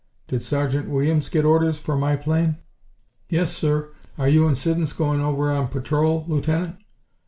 "Did Sergeant Williams get orders for my plane?" "Yes, sir. Are you and Siddons goin' over on patrol, Lieutenant?"